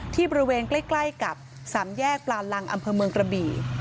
บริเวณใกล้กับสามแยกปลาลังอำเภอเมืองกระบี่